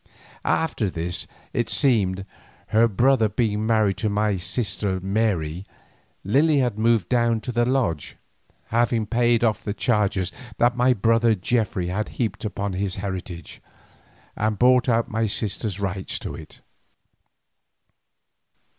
After this it seemed, her brother being married to my sister Mary, Lily had moved down to the Lodge, having paid off the charges that my brother Geoffrey had heaped upon his heritage, and bought out my sister's rights to it.